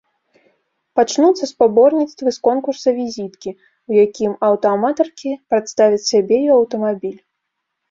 Пачнуцца спаборніцтвы з конкурса-візіткі, у якім аўтааматаркі прадставяць сябе і аўтамабіль.